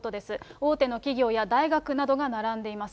大手の企業や大学などが並んでいます。